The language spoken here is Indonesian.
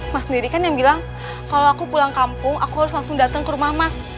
mas sendiri kan yang bilang kalau aku pulang kampung aku harus langsung datang ke rumah mas